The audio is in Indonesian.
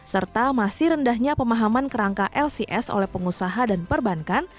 serta masih rendahnya pemahaman kerangka lcs oleh pengusaha dan perbankan